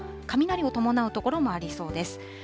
雷を伴う所もありそうです。